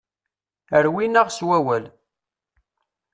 Rwin-aɣ s wawal.